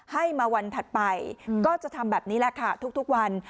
ให้มาวันถัดไปก็จะทำแบบนี้แหละค่ะทุกวัน